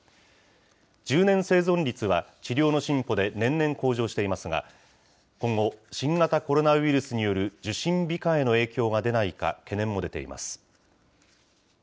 １０年生存率は、治療の進歩で年々向上していますが、今後、新型コロナウイルスによる受診控えの影響が出ないか、懸念も出ています。